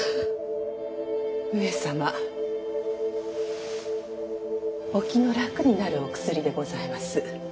上様お気の楽になるお薬でございます。